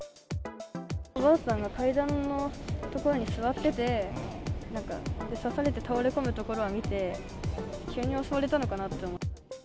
おばあさんが階段の所に座ってて、なんか刺されて倒れ込むところは見て、急に襲われたのかなと思って。